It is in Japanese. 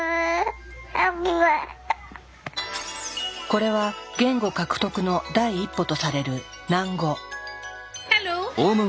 これは言語獲得の第一歩とされる喃語。